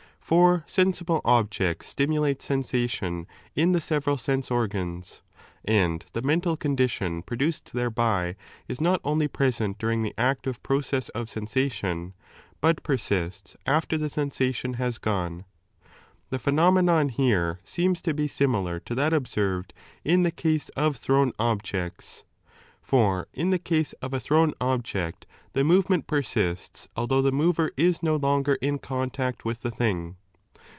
For sensible objects stimulate sensation in the several sense organs, and the mental condition produced thereby is not only present during the active process of sensation, but persists after the sensation has gone. The phenomenon here seems to be similar to that observed in the case of thrown objects. For in the case of a thrown object, the 2 movement persists although the mover is no longer in contact with the thing.